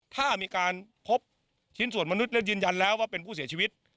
ถ้ามีการพบชิ้นส่วนมนุษย์และยืนยันแล้วว่าเป็นผู้เสียชีวิต